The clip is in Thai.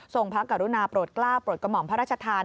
ทรงพระกรุณาปลวดกล้าปลวดกระหมองพระราชทาน